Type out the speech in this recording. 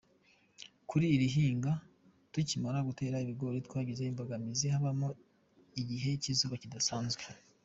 Kuri iri hinga, tukimara gutera ibigori twagize imbogamizi habamo igihe cy’izuba kidasanzwe.